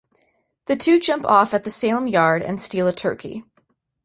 The two jump off at the Salem yard and steal a turkey.